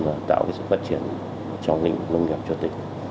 và tạo sự phát triển trong lĩnh vực nông nghiệp cho tỉnh